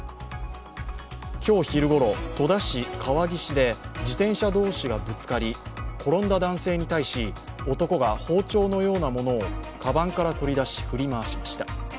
今日昼ごろ、戸田市川岸で自転車同士がぶつかり転んだ男性に対し男が包丁のようなものをかばんから取り出し、振り回しました。